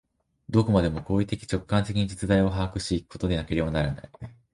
どこまでも行為的直観的に実在を把握し行くことでなければならない。